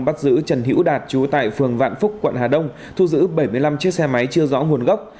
bắt giữ trần hữu đạt chú tại phường vạn phúc quận hà đông thu giữ bảy mươi năm chiếc xe máy chưa rõ nguồn gốc